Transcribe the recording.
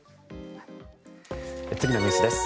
次のニュースです。